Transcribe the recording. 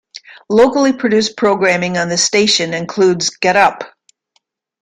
Locally produced programming on the station includes Get Up!